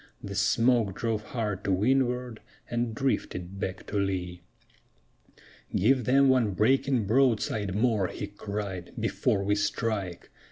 The smoke drove hard to windward and drifted back to lee. "Give them one breaking broadside more," he cried, "before we strike!"